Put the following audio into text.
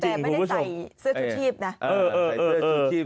แต่ไม่ได้ใส่เสื้อชูชีพนะ